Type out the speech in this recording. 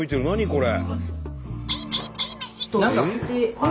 これ。